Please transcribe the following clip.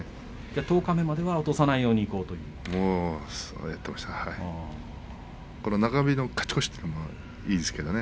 十日目まで落とさないようにいこうと思っていたんですね。